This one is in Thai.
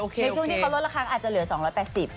ในช่วงที่เขาลดราคาอาจจะเหลือ๒๘๐